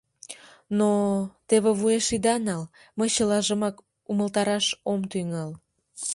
Но... те вуеш ида нал, мый чылажымак умылтараш ом тӱҥал.